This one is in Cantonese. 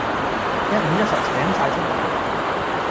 一五一十請曬出嚟